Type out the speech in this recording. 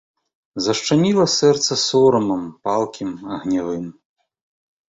Зашчаміла сэрца сорамам, палкім, агнявым.